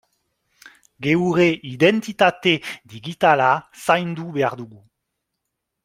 Geure identitate digitala zaindu behar dugu.